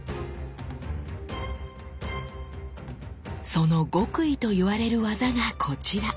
その極意と言われる技がこちら。